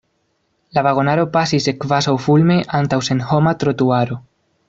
La vagonaro pasis kvazaŭfulme antaŭ senhoma trotuaro.